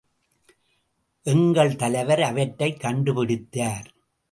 எங்கள் தலைவர் அவற்றைக் கண்டுபிடித்தார்.